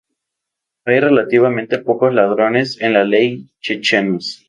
Hay relativamente pocos ladrones en la ley chechenos.